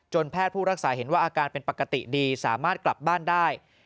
แพทย์ผู้รักษาเห็นว่าอาการเป็นปกติดีสามารถกลับบ้านได้